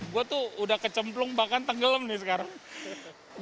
gue tuh udah kecemplung bahkan tenggelam nih sekarang gitu